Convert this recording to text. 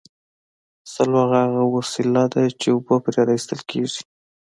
سلواغه هغه وسیله ده چې اوبه پرې را ایستل کیږي